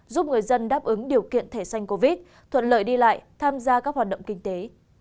giúp người dân đáp ứng điều kiện thẻ xanh covid thuận lợi đi lại tham gia các hoạt động kinh tế